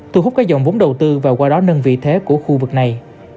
thu hút các dòng vốn đầu tư và qua đó nâng vị thế của khu vực này